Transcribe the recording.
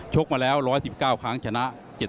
กมาแล้ว๑๑๙ครั้งชนะ